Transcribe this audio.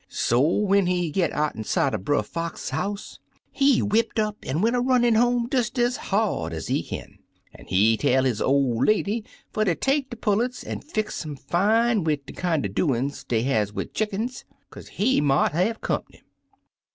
So when he git out'n sight er Brer Fox' house, he whipped up an' went a runnin' home des ez hard ez he kin, an' he tell his ol' lady fer ter take de pullets an' fix um fine wid de kinder doin's dey has wid chickens, kaze he mought have comp'ny.